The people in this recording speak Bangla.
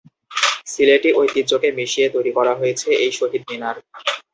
সিলেটি ঐতিহ্যকে মিশিয়ে তৈরি করা হয়েছে এই শহীদ মিনার।